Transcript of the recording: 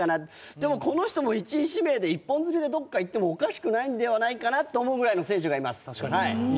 でも、この人も１位指名で一本釣りでどこかに行ってもいいんじゃないかなと思うぐらいの選手がいます。